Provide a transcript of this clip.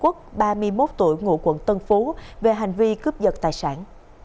quốc ba mươi một tuổi ngụ quận tân phú về hành vi cướp giật tài sản